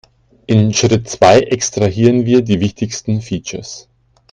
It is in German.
In Schritt zwei extrahieren wir die wichtigsten Features.